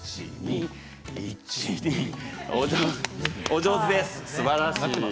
お上手です、すばらしい。